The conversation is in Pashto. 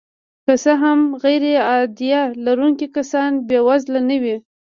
که څه هم غیرعاید لرونکي کسان بې وزله نه وي